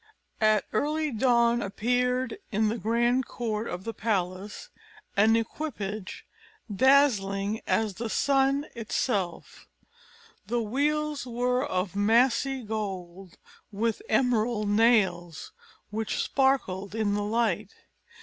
At early dawn appeared in the grand court of the palace an equipage, dazzling as the sun itself; the wheels were of massy gold, with emerald nails, which sparkled in the light.